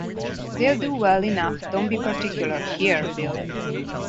They’ll do well enough; don’t be particular—Here, Bill!